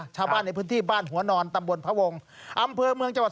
ชาวบ้านในพื้นที่บ้านหัวนอนตำบลพวง